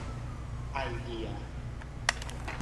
ไอเดีย